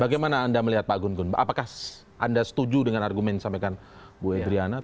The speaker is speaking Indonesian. bagaimana anda melihat pak gun gun apakah anda setuju dengan argumen yang disampaikan bu edriana